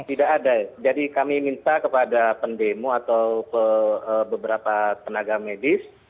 tidak ada jadi kami minta kepada pendemo atau beberapa tenaga medis